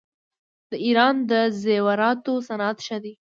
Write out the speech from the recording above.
د ایران د زیوراتو صنعت ښه دی.